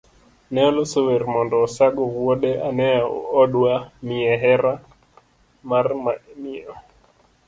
Ne oloso wer mondo osago wuode ane odwa miye hera mar miyo.